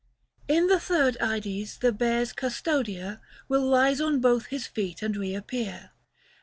In the third Ides the Bear's custodier Will rise on both his feet and reappear.